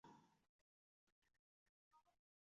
町内有东急田园都市线驹泽大学站。